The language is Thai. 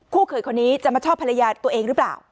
เขยคนนี้จะมาชอบภรรยาตัวเองหรือเปล่า